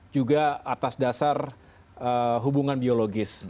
juga atas dasar hubungan biologis